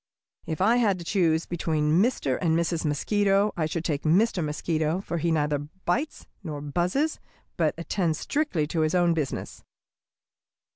"If I had to choose between Mr. and Mrs. Mosquito, I should take Mr. Mosquito, for he neither bites nor buzzes, but attends strictly to his own business.